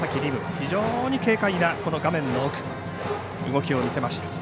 非常に軽快な動きを見せました。